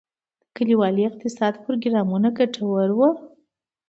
د کلیوالي اقتصاد پروګرامونه ګټور وو؟